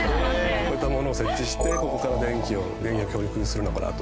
こういったものを設置してここから電気を電源を供給するのかなという。